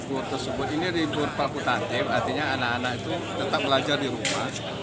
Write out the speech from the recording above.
libur tersebut ini ribut fakultatif artinya anak anak itu tetap belajar di rumah